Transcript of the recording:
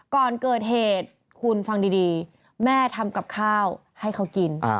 ก่อนเกิดเหตุคุณฟังดีแม่ทำกับข้าวให้เขากิน